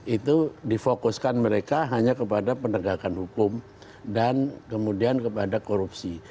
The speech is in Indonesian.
itu difokuskan mereka hanya kepada penegakan hukum dan kemudian kepada korupsi